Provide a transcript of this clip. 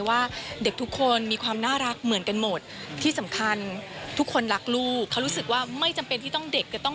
ถ้าเกิดลูกว่าแม่ทำไมหนูไม่อยู่อันดับที่เรียนเก่ง